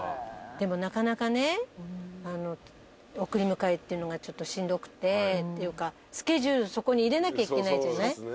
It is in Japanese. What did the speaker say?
でもなかなかね送り迎えってのがちょっとしんどくてスケジュールそこに入れなきゃいけないじゃない？